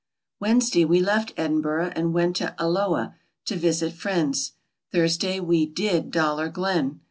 Wednesday we left Edinburgh and went to Alloa to visit friends. Thursday we 'did" Dollar Glen.